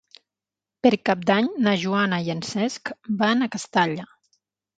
Per Cap d'Any na Joana i en Cesc van a Castalla.